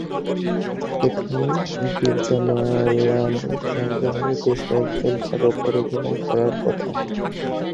এখানে বিদ্যা বালানের সঙ্গে আরও বেশ কয়েকজন তারকার অভিনয় করার কথা।